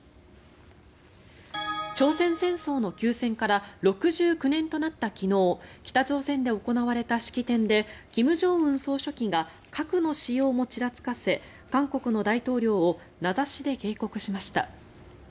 朝鮮戦争の休戦から６９年となった昨日北朝鮮で行われた式典で金正恩総書記が核の使用もちらつかせ韓国の大統領を名指しで警告しました。